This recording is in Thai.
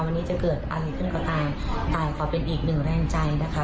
วันนี้จะเกิดอะไรขึ้นก็ตามแต่ขอเป็นอีกหนึ่งแรงใจนะคะ